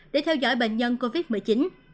để theo dõi bệnh nhân covid một mươi chín